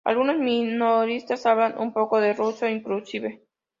Algunos minoristas hablan un poco de ruso inclusive.